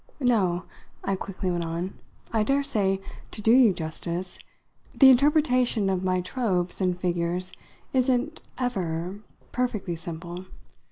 No," I quickly went on, "I daresay, to do you justice, the interpretation of my tropes and figures isn't 'ever' perfectly simple.